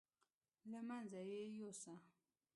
له منځه یې یوسه.